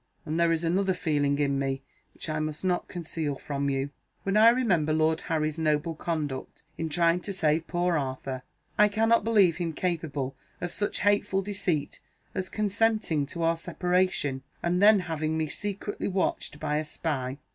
And there is another feeling in me which I must not conceal from you. When I remember Lord Harry's noble conduct in trying to save poor Arthur, I cannot believe him capable of such hateful deceit as consenting to our separation, and then having me secretly watched by a spy.